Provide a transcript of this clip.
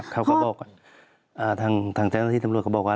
ข้อก็บอกทางเชณฯแทรกสมรวจเขาบอกว่า